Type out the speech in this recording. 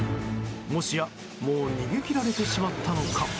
もしやもう逃げ切られてしまったのか。